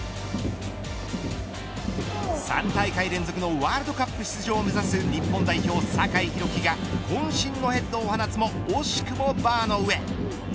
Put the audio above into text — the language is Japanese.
３大会連続のワールドカップ出場を目指す日本代表、酒井宏樹がこん身のヘッドを放つも惜しくもバーの上。